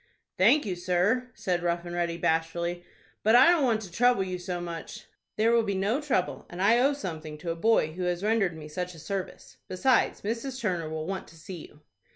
"Thank you, sir," said Rough and Ready, bashfully, "but I don't want to trouble you so much." "There will be no trouble, and I owe something to a boy who has rendered me such a service. Besides, Mrs. Turner will want to see you."